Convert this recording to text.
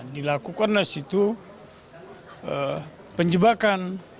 dilakukan di situ penjebakan